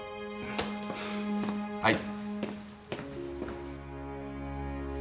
はい。